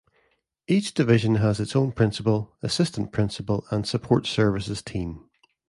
Each division has its own principal, assistant principal, and support services team.